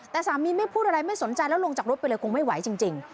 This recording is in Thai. แต่สามีไม่พูดอะไรไม่สนใจแล้วลงจากรถไปเลยคงไม่ไหวจริง